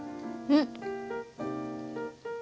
うん。